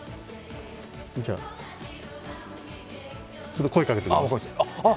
ちょっと声かけてください。